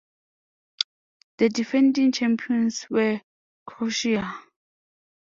The defending champions were Croatia.